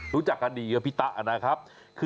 รู้จักกันดีกว่าพี่ต้ะอะนะครับ